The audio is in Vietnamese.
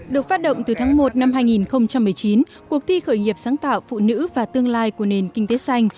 được phát động từ tháng một năm hai nghìn một mươi chín cuộc thi khởi nghiệp sáng tạo phụ nữ và tương lai của nền kinh tế xanh